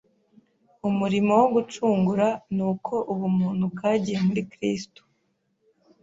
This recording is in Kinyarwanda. Umurimo wo gucungura ni uko ubumuntu bwagiye muri Kristo